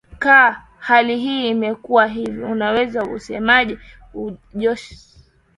ka hali hii imekuwa hivi unaweza ukasemaje jose